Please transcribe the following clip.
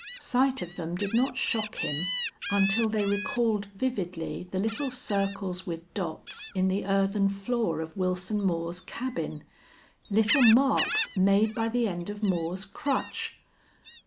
Sight of them did not shock him until they recalled vividly the little circles with dots in the earthen floor of Wilson Moore's cabin. Little marks made by the end of Moore's crutch!